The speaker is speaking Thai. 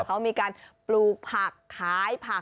เขามีการปลูกผักขายผัก